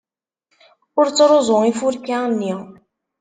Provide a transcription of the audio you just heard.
Ur ttruẓu ifurka-nni.